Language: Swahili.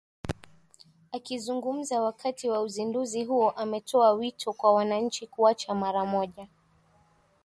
Akizungumza wakati wa uzinduzi huo ametoa wito kwa wananchi kuacha mara moja